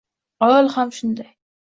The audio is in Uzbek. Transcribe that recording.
Orol ham shunday.